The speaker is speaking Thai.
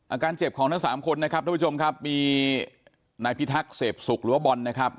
อาการเจ็บของทั้งสามคนนะครับทุกผู้ชมครับมีนายพิทักษ์เสพสุกหรือว่าบอลนะครับ